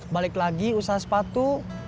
balik lagi usaha sepatu